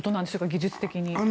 技術的に。